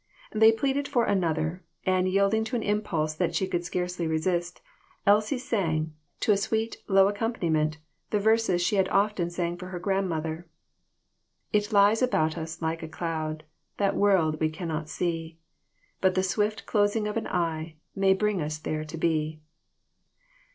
They pleaded for another, and yield ing to an impulse that she could scarcely resist, Elsie sang, to a sweet, low accompaniment, the verses she often sang for her grandmother " It lies about us like a cloud, That world we cannot see ; But the swift closing of an eye May bring us there to be."